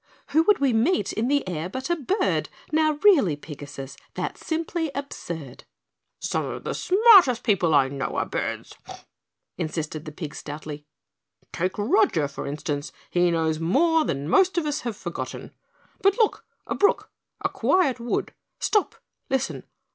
"Who would we meet in the air but a bird? Now really Pigasus, that's simply absurd." "Some of the smartest people I know are birds," insisted the pig stoutly. "Take Roger, for instance, he knows more than most of us have forgotten. But look! A brook, a quiet wood! Stop! Listen!